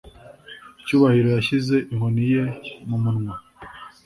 Cyubahiro yashyize inkoni ye mumunwa.